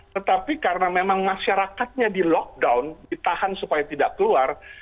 tetapi karena memang masyarakatnya di lockdown ditahan supaya tidak keluar